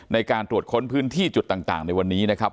ในการตรวจค้นพื้นที่จุดต่างในวันนี้นะครับ